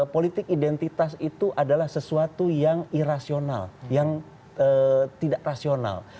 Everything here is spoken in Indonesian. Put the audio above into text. politik identitas itu adalah sesuatu yang irasional yang tidak rasional